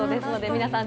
皆さん